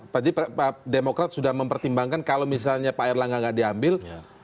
berarti pak demokrat sudah mempertimbangkan kalau misalnya pak erlangga nggak diambil